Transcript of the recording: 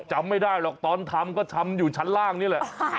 จำไม่ได้หรอกตอนทำก็ทำอยู่ชั้นล่างนี่แหละ